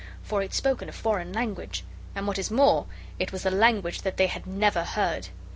For it spoke in a foreign language. And, what is more, it was a language that they had never heard.